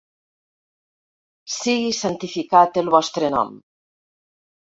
Sigui santificat el vostre nom.